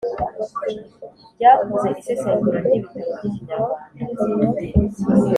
ryakoze isesengura ry’ibitabo by’ikinyarwanda